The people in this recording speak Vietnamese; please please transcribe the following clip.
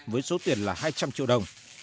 với số tiền là hai trăm linh triệu đồng